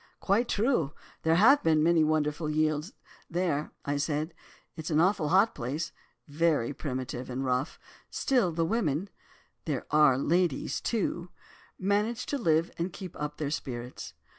"'Quite true. There have been wonderful yields there,' said I; 'it's an awful hot place, very primitive and rough. Still, the women—there are ladies, too—manage to live and keep up their spirits.